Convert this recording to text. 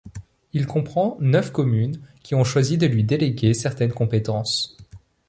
Il comprend neuf communes qui ont choisi de lui déléguer certaines compétences.